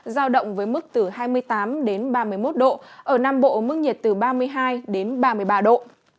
giao động với mức từ hai mươi tám đến ba mươi một độ ở nam bộ mức nhiệt từ ba mươi hai đến ba mươi ba độ